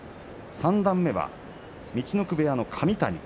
三段目は陸奥部屋の神谷。